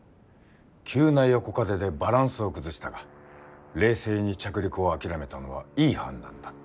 急な横風でバランスを崩したが冷静に着陸を諦めたのはいい判断だった。